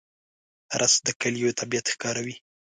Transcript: رس د کلیو طبیعت ښکاروي